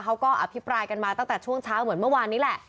อภิปรายกันมาตั้งแต่ช่วงเช้าเหมือนเมื่อวานนี้แหละ